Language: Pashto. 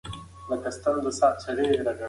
کتاب لوستل د ټولنې د پوهې بنسټ دی.